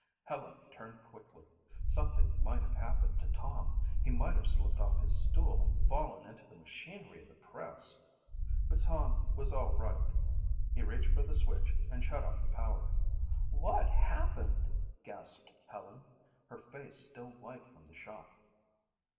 Helen turned quickly. Something might have happened to Tom. He might have slipped off his stool and fallen into the machinery of the press. But Tom was all right. He reached for the switch and shut off the power. "What happened?" gasped Helen, her face still white from the shock.